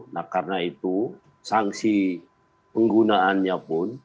nah karena itu sanksi penggunaannya pun